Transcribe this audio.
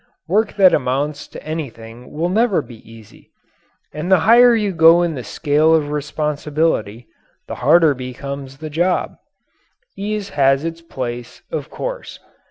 Work that amounts to anything will never be easy. And the higher you go in the scale of responsibility, the harder becomes the job. Ease has its place, of course.